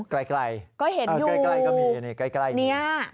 ใกล้ก็เห็นอยู่ใกล้ก็มีเนี่ย